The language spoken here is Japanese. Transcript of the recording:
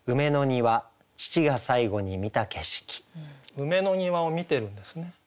梅の庭を観てるんですね。